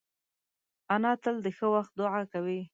انا تل د ښه وخت دعا کوي